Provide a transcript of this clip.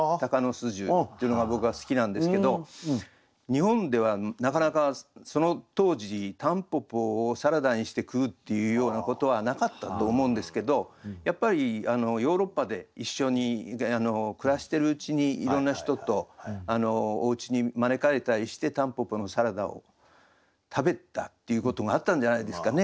でね。っていうのが僕は好きなんですけど日本ではなかなかその当時たんぽぽをサラダにして食うっていうようなことはなかったと思うんですけどやっぱりヨーロッパで一緒に暮らしてるうちにいろんな人とおうちに招かれたりしてたんぽぽのサラダを食べたっていうことがあったんじゃないですかね